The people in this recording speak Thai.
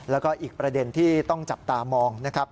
แล้วก็อีกประเด็นที่ต้องจับตามองนะครับ